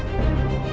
dia tidur sama